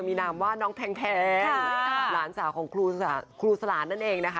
มีลูกพ่อพอ